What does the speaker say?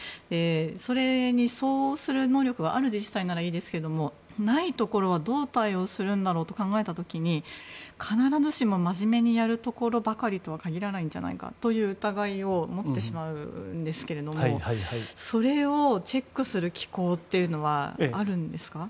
それに相応する能力がある自治体ならいいですけどもないところはどう対応するんだろうと考えた時に、必ずしも真面目にやるところばかりとは限らないんじゃないかという疑いを持ってしまうんですけれどもそれをチェックする機構はあるんですか？